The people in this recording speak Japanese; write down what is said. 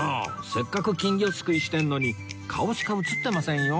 せっかく金魚すくいしてるのに顔しか写ってませんよ